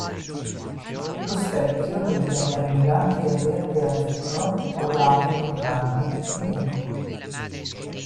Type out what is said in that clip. Lo "specchio" delle penne remiganti è verde-azzurro, orlato in entrambi di bianco.